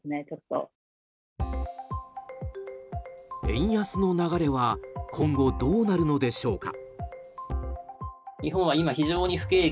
円安の流れは今後どうなるのでしょうか。